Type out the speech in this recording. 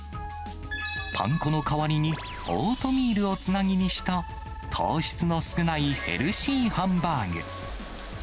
パン粉の代わりにオートミールをつなぎにした、糖質の少ないヘルシーハンバーグ。